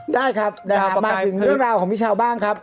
ได้ครับมาถึงเรื่องราวของพี่เช้าบ้างครับ